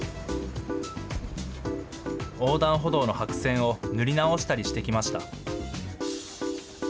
横断歩道の白線を塗り直したりしてきました。